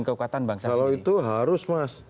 kalau itu harus mas